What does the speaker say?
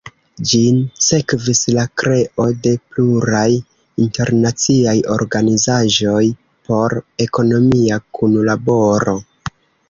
Ĝin sekvis la kreo de pluraj internaciaj organizaĵoj por ekonomia kunlaboro.